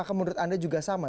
maka menurut anda juga sama